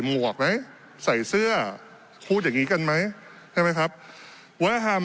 หวกไหมใส่เสื้อพูดอย่างงี้กันไหมใช่ไหมครับวัฒนธรรม